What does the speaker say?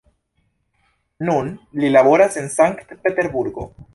Nun li laboras en Sankt-Peterburgo.